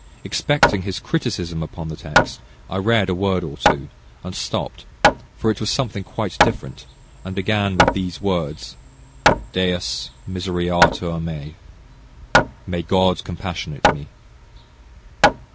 Expecting his criticism upon the text, I read a word or two, and stopped, for it was something quite different, and began with these words, Deus misereatur mei "May God compassionate me."